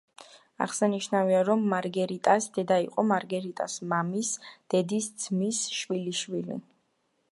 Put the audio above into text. აღსანიშნავია, რომ მარგერიტას დედა იყო მარგერიტას მამის დედის ძმის შვილიშვილი.